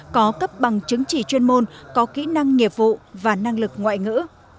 có cấp bằng chứng chỉ chuyên môn có kỹ năng nghiệp vụ và năng lực ngoại ngữ